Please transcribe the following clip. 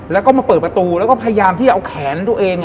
แล้วก็มาเปิดประตูแล้วก็พยายามที่เอาแขนตัวเอง